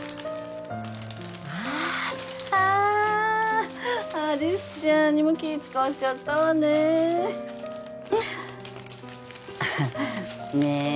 あーっあー有栖ちゃんにも気ぃ使わしちゃったわねねえ